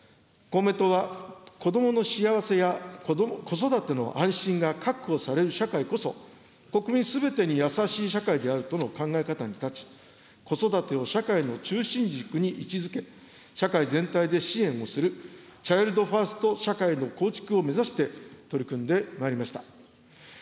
公明党は、子どもの幸せや子育ての安心が確保される社会こそ、国民すべてに優しい社会であるとの考え方に立ち、子育てを社会の中心軸に位置づけ、社会全体で支援をするチャイルドファースト社会の構築を目指して、取り組んでまいりました。